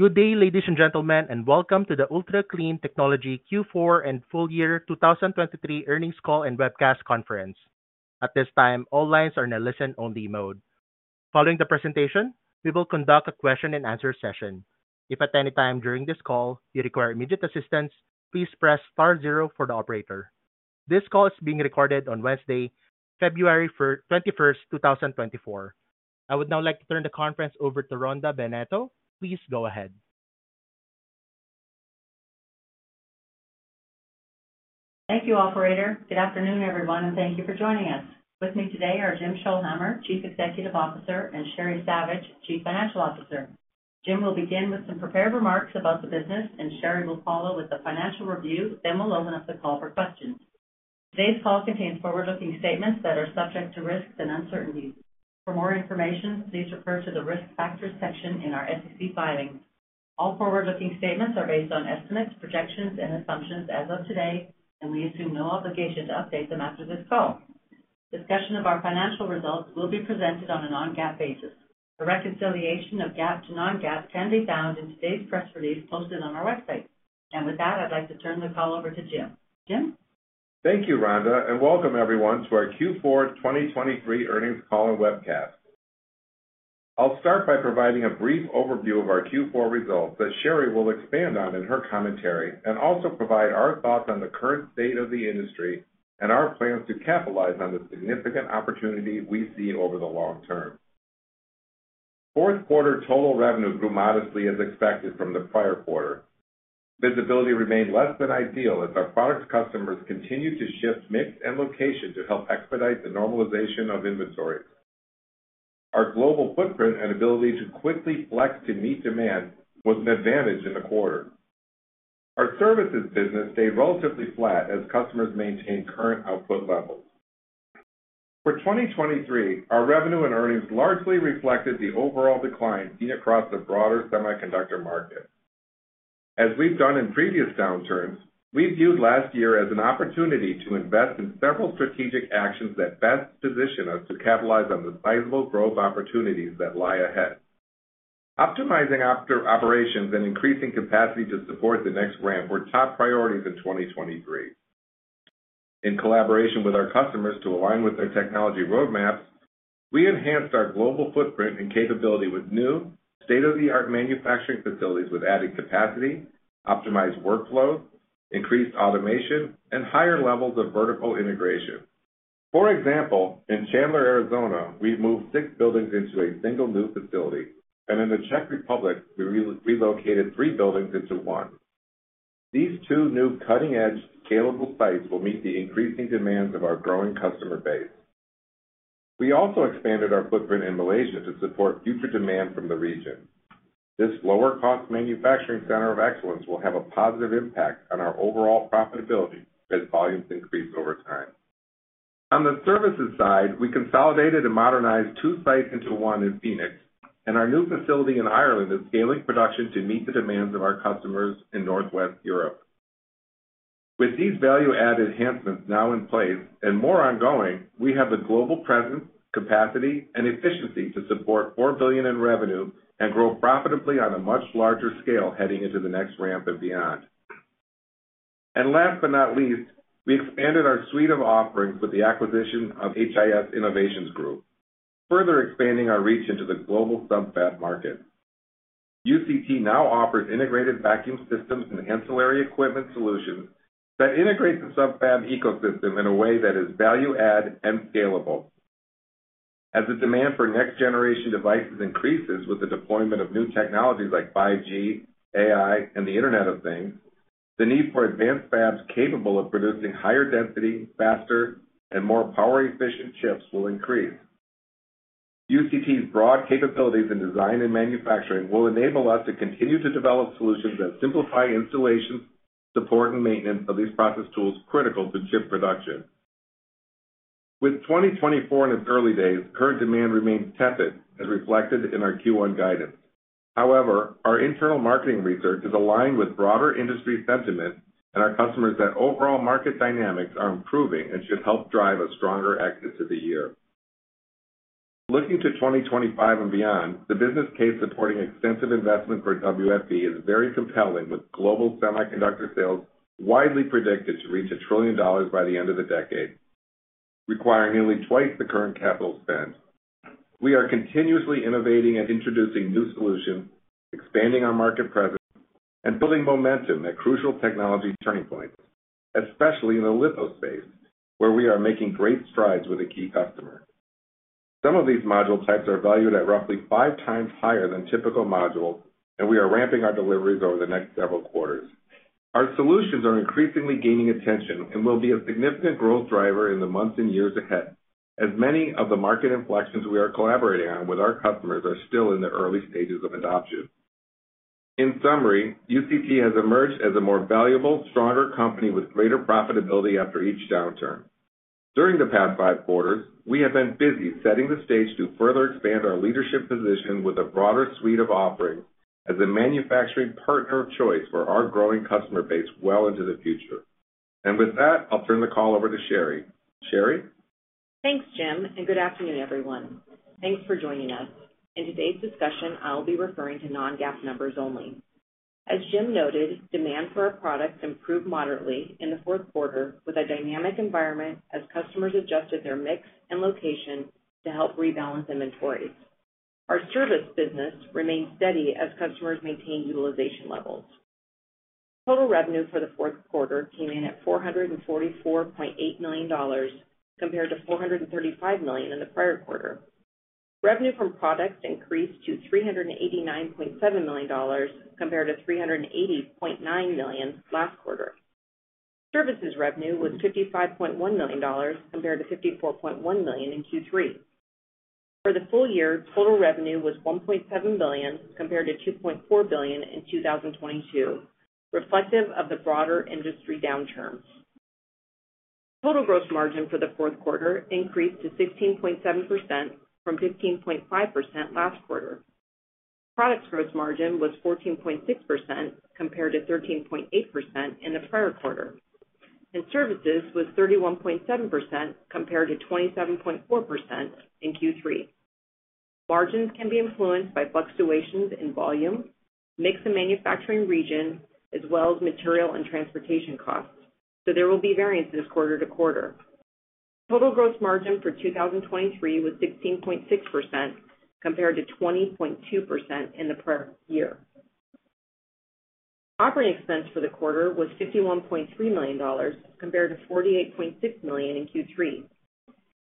Good day, ladies and gentlemen, and welcome to the Ultra Clean Technology Q4 and full year 2023 earnings call and webcast conference. At this time, all lines are in a listen-only mode. Following the presentation, we will conduct a question-and-answer session. If at any time during this call you require immediate assistance, please press star zero for the operator. This call is being recorded on Wednesday, February 21st, 2024. I would now like to turn the conference over to Rhonda Bennetto, please go ahead. Thank you, Operator. Good afternoon, everyone, and thank you for joining us. With me today are Jim Scholhamer, Chief Executive Officer, and Sheri Savage, Chief Financial Officer. Jim will begin with some prepared remarks about the business, and Sheri will follow with the financial review, then we'll open up the call for questions. Today's call contains forward-looking statements that are subject to risks and uncertainties. For more information, please refer to the Risk Factors section in our SEC filings. All forward-looking statements are based on estimates, projections, and assumptions as of today, and we assume no obligation to update them after this call. Discussion of our financial results will be presented on a non-GAAP basis. A reconciliation of GAAP to non-GAAP can be found in today's press release posted on our website. With that, I'd like to turn the call over to Jim. Jim? Thank you, Rhonda, and welcome, everyone, to our Q4 2023 earnings call and webcast. I'll start by providing a brief overview of our Q4 results that Sheri will expand on in her commentary, and also provide our thoughts on the current state of the industry and our plans to capitalize on the significant opportunity we see over the long term. Fourth quarter total revenue grew modestly as expected from the prior quarter. Visibility remained less than ideal as our product's customers continued to shift mix and location to help expedite the normalization of inventories. Our global footprint and ability to quickly flex to meet demand was an advantage in the quarter. Our services business stayed relatively flat as customers maintained current output levels. For 2023, our revenue and earnings largely reflected the overall decline seen across the broader semiconductor market. As we've done in previous downturns, we viewed last year as an opportunity to invest in several strategic actions that best position us to capitalize on the sizable growth opportunities that lie ahead. Optimizing operations and increasing capacity to support the next ramp were top priorities in 2023. In collaboration with our customers to align with their technology roadmaps, we enhanced our global footprint and capability with new, state-of-the-art manufacturing facilities with added capacity, optimized workflows, increased automation, and higher levels of vertical integration. For example, in Chandler, Arizona, we've moved six buildings into a single new facility, and in the Czech Republic, we relocated three buildings into one. These two new cutting-edge, scalable sites will meet the increasing demands of our growing customer base. We also expanded our footprint in Malaysia to support future demand from the region. This lower-cost manufacturing center of excellence will have a positive impact on our overall profitability as volumes increase over time. On the services side, we consolidated and modernized two sites into one in Phoenix, and our new facility in Ireland is scaling production to meet the demands of our customers in Northwest Europe. With these value-add enhancements now in place and more ongoing, we have the global presence, capacity, and efficiency to support $4 billion in revenue and grow profitably on a much larger scale heading into the next ramp and beyond. And last but not least, we expanded our suite of offerings with the acquisition of HIS Innovations Group, further expanding our reach into the global sub-fab market. UCT now offers integrated vacuum systems and ancillary equipment solutions that integrate the sub-fab ecosystem in a way that is value-add and scalable. As the demand for next-generation devices increases with the deployment of new technologies like 5G, AI, and the Internet of Things, the need for advanced fabs capable of producing higher density, faster, and more power-efficient chips will increase. UCT's broad capabilities in design and manufacturing will enable us to continue to develop solutions that simplify installation, support, and maintenance of these process tools critical to chip production. With 2024 in its early days, current demand remains tepid, as reflected in our Q1 guidance. However, our internal marketing research is aligned with broader industry sentiment and our customers that overall market dynamics are improving and should help drive a stronger exit to the year. Looking to 2025 and beyond, the business case supporting extensive investment for WFE is very compelling, with global semiconductor sales widely predicted to reach $1 trillion by the end of the decade, requiring nearly twice the current capital spend. We are continuously innovating and introducing new solutions, expanding our market presence, and building momentum at crucial technology turning points, especially in the litho space, where we are making great strides with a key customer. Some of these module types are valued at roughly five times higher than typical modules, and we are ramping our deliveries over the next several quarters. Our solutions are increasingly gaining attention and will be a significant growth driver in the months and years ahead, as many of the market inflections we are collaborating on with our customers are still in the early stages of adoption. In summary, UCT has emerged as a more valuable, stronger company with greater profitability after each downturn. During the past five quarters, we have been busy setting the stage to further expand our leadership position with a broader suite of offerings as a manufacturing partner of choice for our growing customer base well into the future. And with that, I'll turn the call over to Sheri. Sheri? Thanks, Jim, and good afternoon, everyone. Thanks for joining us. In today's discussion, I'll be referring to non-GAAP numbers only. As Jim noted, demand for our products improved moderately in the fourth quarter with a dynamic environment as customers adjusted their mix and location to help rebalance inventories. Our service business remained steady as customers maintained utilization levels. Total revenue for the fourth quarter came in at $444.8 million compared to $435 million in the prior quarter. Revenue from products increased to $389.7 million compared to $380.9 million last quarter. Services revenue was $55.1 million compared to $54.1 million in Q3. For the full year, total revenue was $1.7 billion compared to $2.4 billion in 2022, reflective of the broader industry downturn. Total gross margin for the fourth quarter increased to 16.7% from 15.5% last quarter. Products gross margin was 14.6% compared to 13.8% in the prior quarter, and services was 31.7% compared to 27.4% in Q3. Margins can be influenced by fluctuations in volume, mix and manufacturing region, as well as material and transportation costs, so there will be variances quarter-to-quarter. Total gross margin for 2023 was 16.6% compared to 20.2% in the prior year. Operating expense for the quarter was $51.3 million compared to $48.6 million in Q3.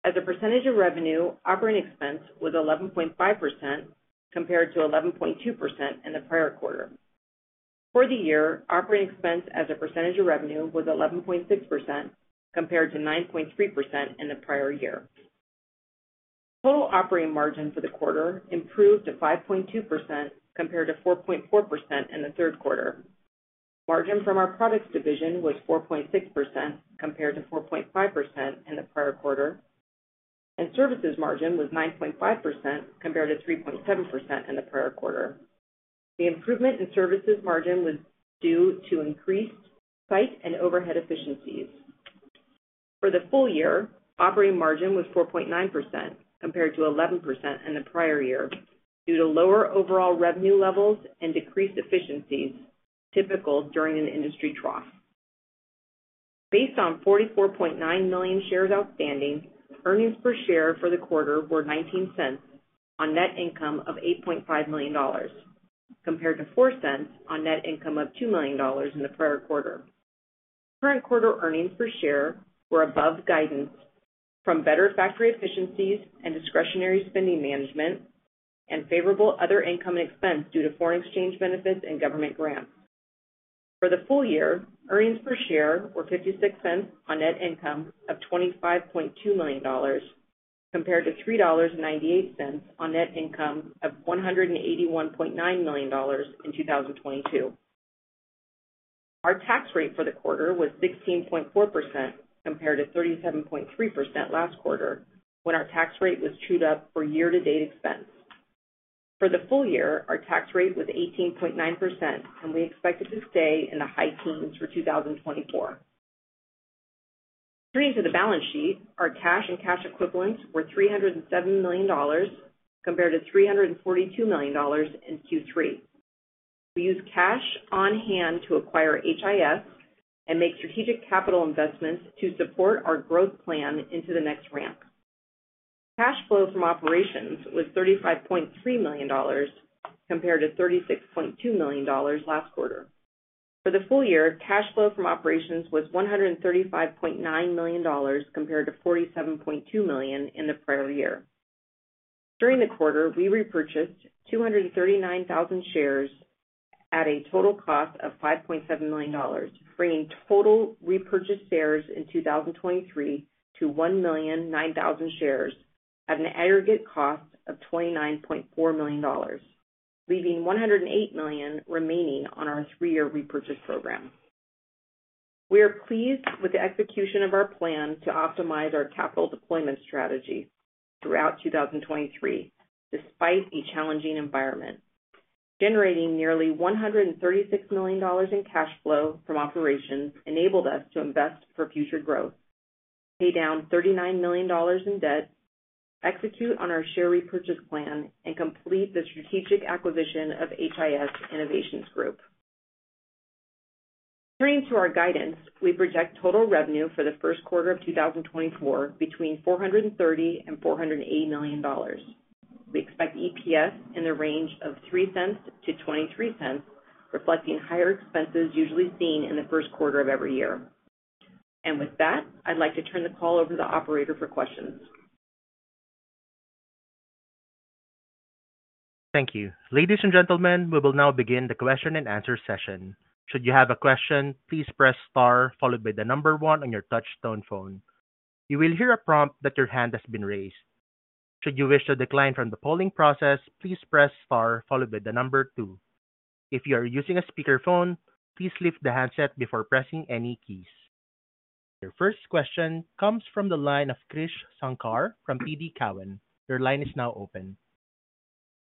As a percentage of revenue, operating expense was 11.5% compared to 11.2% in the prior quarter. For the year, operating expense as a percentage of revenue was 11.6% compared to 9.3% in the prior year. Total operating margin for the quarter improved to 5.2% compared to 4.4% in the third quarter. Margin from our products division was 4.6% compared to 4.5% in the prior quarter, and services margin was 9.5% compared to 3.7% in the prior quarter. The improvement in services margin was due to increased site and overhead efficiencies. For the full year, operating margin was 4.9% compared to 11% in the prior year due to lower overall revenue levels and decreased efficiencies typical during an industry trough. Based on 44.9 million shares outstanding, earnings per share for the quarter were $0.19 on net income of $8.5 million compared to $0.04 on net income of $2 million in the prior quarter. Current quarter earnings per share were above guidance from better factory efficiencies and discretionary spending management, and favorable other income and expense due to foreign exchange benefits and government grants. For the full year, earnings per share were $0.56 on net income of $25.2 million compared to $3.98 on net income of $181.9 million in 2022. Our tax rate for the quarter was 16.4% compared to 37.3% last quarter when our tax rate was trued up for year-to-date expense. For the full year, our tax rate was 18.9%, and we expected to stay in the high teens for 2024. Turning to the balance sheet, our cash and cash equivalents were $307 million compared to $342 million in Q3. We used cash on hand to acquire HIS and make strategic capital investments to support our growth plan into the next ramp. Cash flow from operations was $35.3 million compared to $36.2 million last quarter. For the full year, cash flow from operations was $135.9 million compared to $47.2 million in the prior year. During the quarter, we repurchased 239,000 shares at a total cost of $5.7 million, bringing total repurchased shares in 2023 to 1.009 million shares at an aggregate cost of $29.4 million, leaving $108 million remaining on our three-year repurchase program. We are pleased with the execution of our plan to optimize our capital deployment strategy throughout 2023 despite a challenging environment. Generating nearly $136 million in cash flow from operations enabled us to invest for future growth, pay down $39 million in debt, execute on our share repurchase plan, and complete the strategic acquisition of HIS Innovations Group. Turning to our guidance, we project total revenue for the first quarter of 2024 between $430 million-$480 million. We expect EPS in the range of $0.03-$0.23, reflecting higher expenses usually seen in the first quarter of every year. And with that, I'd like to turn the call over to the operator for questions. Thank you. Ladies and gentlemen, we will now begin the question-and-answer session. Should you have a question, please press star followed by the number one on your touch-tone phone. You will hear a prompt that your hand has been raised. Should you wish to decline from the polling process, please press star followed by the number two. If you are using a speakerphone, please lift the handset before pressing any keys. Your first question comes from the line of Krish Sankar from TD Cowen. Your line is now open.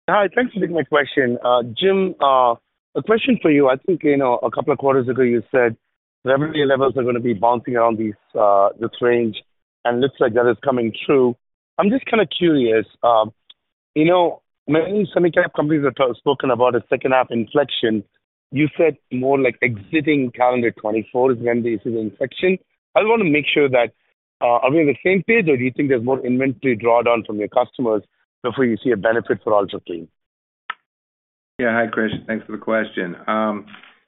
Hi, thanks for taking my question. Jim, a question for you. I think a couple of quarters ago, you said revenue levels are going to be bouncing around this range, and it looks like that is coming true. I'm just kind of curious. Many semicap companies have spoken about a second-half inflection. You said more like exiting calendar 2024 is going to be the inflection. I want to make sure that are we on the same page, or do you think there's more inventory drawdown from your customers before you see a benefit for Ultra Clean? Yeah, hi, Krish. Thanks for the question.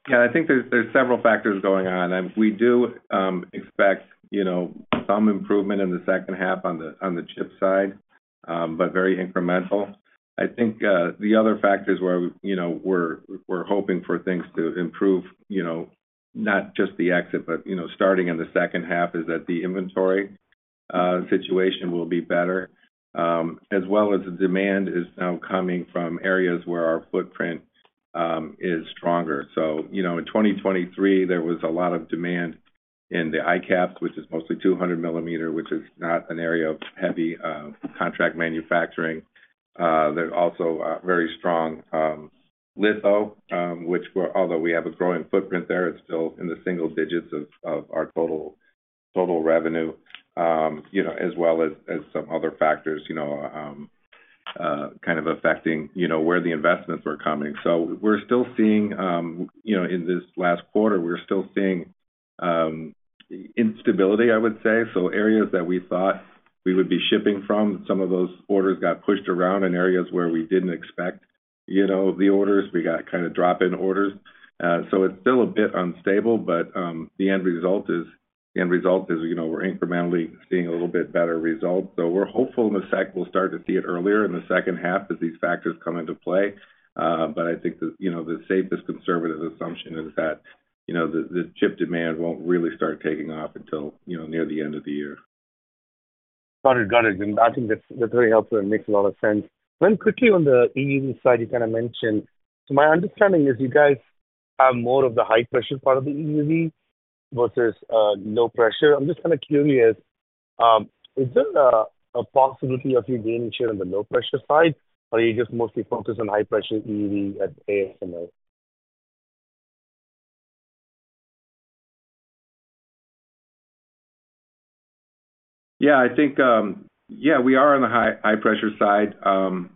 Yeah, I think there's several factors going on. We do expect some improvement in the second half on the chip side, but very incremental. I think the other factors where we're hoping for things to improve, not just the exit, but starting in the second half, is that the inventory situation will be better, as well as the demand is now coming from areas where our footprint is stronger. So in 2023, there was a lot of demand in the ICAPS, which is mostly 200 millimeter, which is not an area of heavy contract manufacturing. There's also very strong litho, which although we have a growing footprint there, it's still in the single digits of our total revenue, as well as some other factors kind of affecting where the investments were coming. So we're still seeing in this last quarter, we're still seeing instability, I would say. So areas that we thought we would be shipping from, some of those orders got pushed around in areas where we didn't expect the orders. We got kind of drop-in orders. So it's still a bit unstable, but the end result is we're incrementally seeing a little bit better results. So we're hopeful in a sec we'll start to see it earlier in the second half as these factors come into play. But I think the safest, conservative assumption is that the chip demand won't really start taking off until near the end of the year. Got it. Got it. And I think that's very helpful and makes a lot of sense. Then quickly on the EUV side, you kind of mentioned so my understanding is you guys have more of the high-pressure part of the EUV versus low-pressure. I'm just kind of curious, is there a possibility of you gaining share on the low-pressure side, or are you just mostly focused on high-pressure EUV at ASML? Yeah, I think we are on the high-pressure side,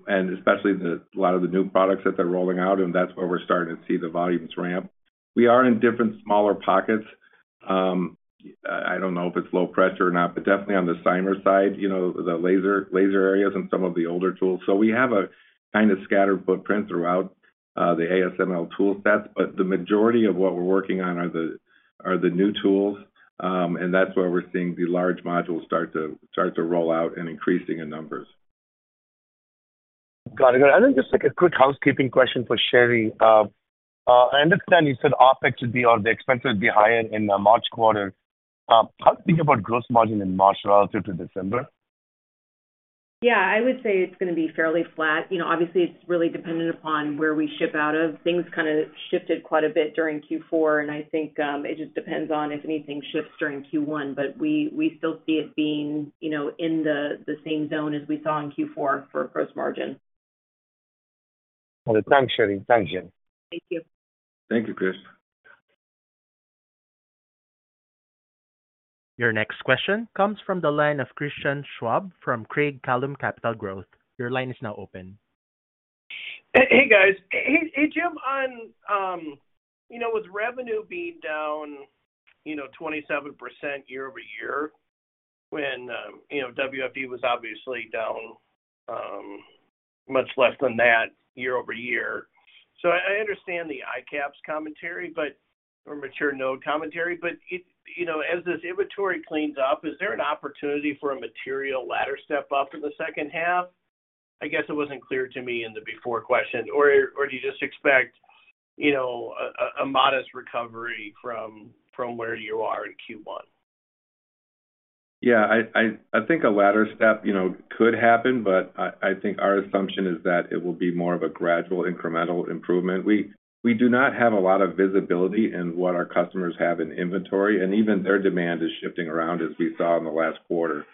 and especially a lot of the new products that they're rolling out, and that's where we're starting to see the volumes ramp. We are in different smaller pockets. I don't know if it's low pressure or not, but definitely on the Cymer side, the laser areas and some of the older tools. So we have a kind of scattered footprint throughout the ASML tool sets, but the majority of what we're working on are the new tools, and that's where we're seeing the large modules start to roll out and increasing in numbers. Got it. Got it. And then just a quick housekeeping question for Sheri. I understand you said OpEx would be or the expenses would be higher in March quarter. How do you think about gross margin in March relative to December? Yeah, I would say it's going to be fairly flat. Obviously, it's really dependent upon where we ship out of. Things kind of shifted quite a bit during Q4, and I think it just depends on if anything shifts during Q1, but we still see it being in the same zone as we saw in Q4 for gross margin. Well, thanks, Sheri. Thanks, Jim. Thank you. Thank you, Krish. Your next question comes from the line of Christian Schwab from Craig-Hallum Capital Group. Your line is now open. Hey, guys. Hey, Jim, with revenue being down 27% year-over-year when WFE was obviously down much less than that year-over-year, so I understand the ICAPS commentary or mature node commentary. But as this inventory cleans up, is there an opportunity for a material ladder step up in the second half? I guess it wasn't clear to me in the before question. Or do you just expect a modest recovery from where you are in Q1? Yeah, I think a ladder step could happen, but I think our assumption is that it will be more of a gradual, incremental improvement. We do not have a lot of visibility in what our customers have in inventory, and even their demand is shifting around as we saw in the last quarter.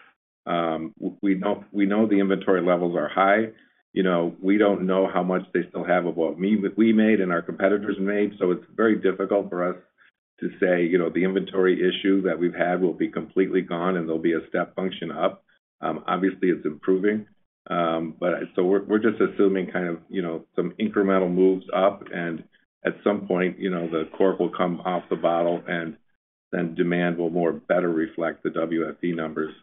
We know the inventory levels are high. We don't know how much they still have of what we made and our competitors made, so it's very difficult for us to say the inventory issue that we've had will be completely gone and there'll be a step function up. Obviously, it's improving. So we're just assuming kind of some incremental moves up, and at some point, the cork will come off the bottle, and then demand will more better reflect the WFE numbers.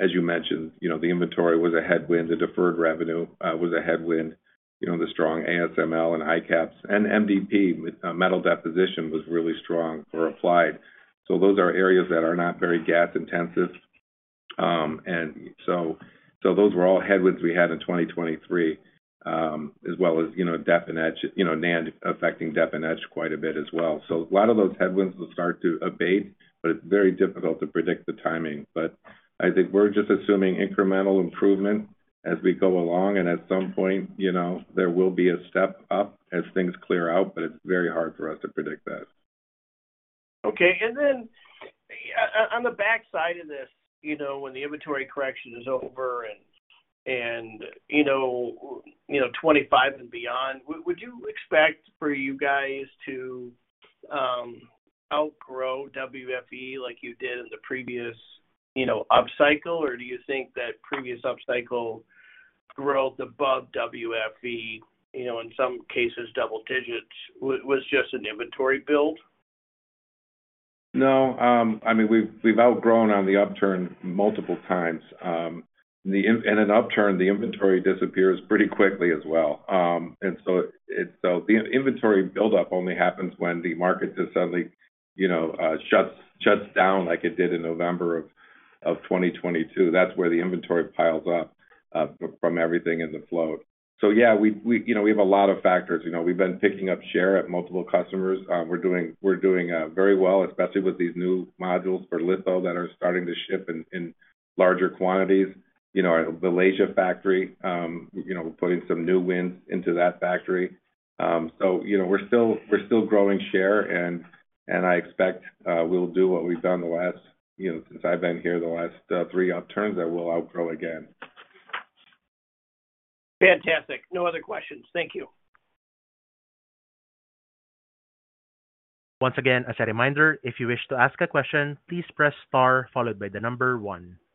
As you mentioned, the inventory was a headwind. The deferred revenue was a headwind. The strong ASML and ICAPS and MDP, metal deposition, was really strong in Applied. So those are areas that are not very gas-intensive. And so those were all headwinds we had in 2023, as well as NAND affecting dep and etch quite a bit as well. So a lot of those headwinds will start to abate, but it's very difficult to predict the timing. But I think we're just assuming incremental improvement as we go along, and at some point, there will be a step up as things clear out, but it's very hard for us to predict that. Okay. And then on the backside of this, when the inventory correction is over and 2025 and beyond, would you expect for you guys to outgrow WFE like you did in the previous upcycle, or do you think that previous upcycle growth above WFE, in some cases, double digits, was just an inventory build? No, I mean, we've outgrown on the upturn multiple times. In an upturn, the inventory disappears pretty quickly as well. And so the inventory buildup only happens when the market just suddenly shuts down like it did in November of 2022. That's where the inventory piles up from everything in the float. So yeah, we have a lot of factors. We've been picking up share at multiple customers. We're doing very well, especially with these new modules for litho that are starting to ship in larger quantities. Our Malaysia factory, we're putting some new lines into that factory. So we're still growing share, and I expect we'll do what we've done since I've been here the last three upturns that will outgrow again. Fantastic. No other questions. Thank you. Once again, as a reminder, if you wish to ask a question, please press star followed by the number one.